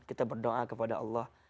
kita berdoa kepada allah